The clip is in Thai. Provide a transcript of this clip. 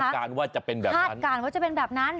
คาดการณ์ว่าจะเป็นแบบนั้น